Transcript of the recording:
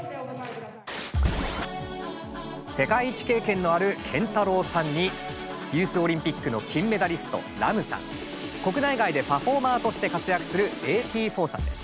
世界一経験のあるＫＥＮＴＡＲＡＷさんにユースオリンピックの金メダリストＲＡＭさん国内外でパフォーマーとして活躍するＡＴ−４さんです。